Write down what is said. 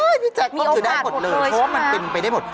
พี่แจ๊คก็คือได้หมดเลยเพราะว่ามันเป็นไปได้หมด